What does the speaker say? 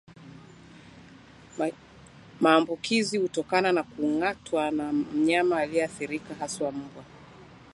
Maambukizi hutokana na kung'atwa na mnyama aliyeathirika hasa mbwa